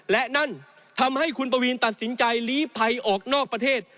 และนั่นทำให้คุณปวีนตัดสินใจลีภัยออกนอกประเทศ